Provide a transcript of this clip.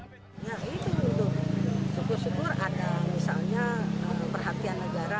syukur syukur ada misalnya perhatian negara